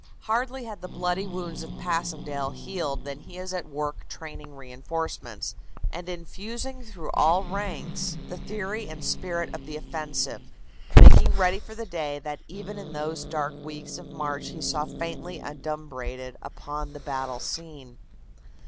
Hardly had the bloody wounds of Passchendaele healed than he is at work training reinforcements, and infusing through all ranks the theory and spirit of the offensive, making ready for the day that even in those dark weeks of March he saw faintly adumbrated upon the battle scene.